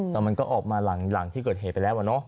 แต่มันก็ออกมาหลังที่เกิดเหตุไปแล้วอะเนาะ